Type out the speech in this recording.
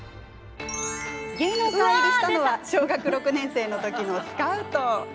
芸能界入りしたのは小学６年生の時のスカウト。